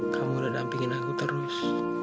kamu udah dampingin aku terus